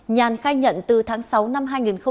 nhàn khai nhận từ tháng sáu năm hai nghìn hai mươi hai